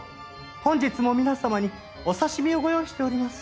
本日も皆様にお刺し身をご用意しております。